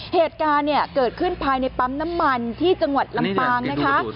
เหตุการณ์เนี่ยเกิดขึ้นภายในปั๊มน้ำมันที่จังหวัดลำปางนะคะ